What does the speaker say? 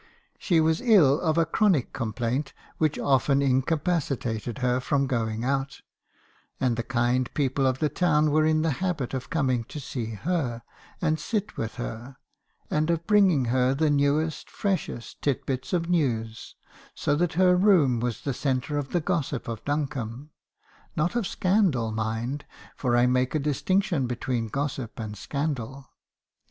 She was ill of a chronic complaint, which often incapacitated her from going out; and the kind people of the town were in the habit of coming to see her and sit with her, and of bringing her the newest, freshest, tid bits of news; so that her room was the centre of the gossip of Buncombe; — not of scandal, mind; for I make a distinction between gossip and scandal.